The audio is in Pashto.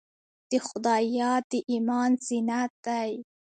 د خدای یاد د ایمان زینت دی.